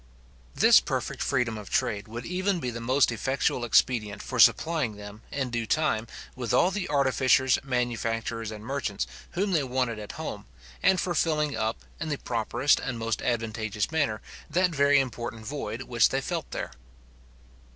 This perfect freedom of trade would even be the most effectual expedient for supplying them, in due time, with all the artificers, manufacturers, and merchants, whom they wanted at home; and for filling up, in the properest and most advantageous manner, that very important void which they felt there.